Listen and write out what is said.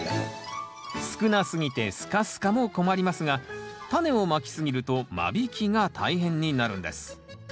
少なすぎてスカスカも困りますがタネをまき過ぎると間引きが大変になるんです。